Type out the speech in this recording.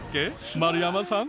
丸山さん。